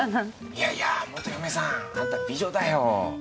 いやいや元嫁さんあんた美女だよ！